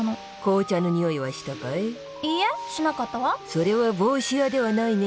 それは帽子屋ではないね。